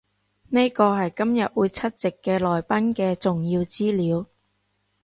呢個係今日會出席嘅來賓嘅重要資料